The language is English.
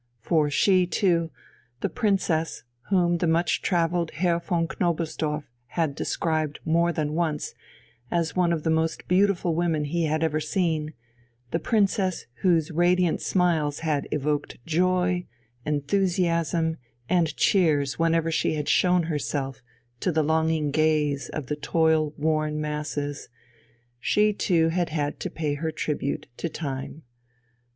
For she too, the Princess whom the much travelled Herr von Knobelsdorff had described more than once as one of the most beautiful women he had ever seen, the Princess whose radiant smiles had evoked joy, enthusiasm, and cheers whenever she had shown herself to the longing gaze of the toil worn masses, she too had had to pay her tribute to time.